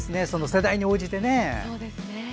世代に応じてね。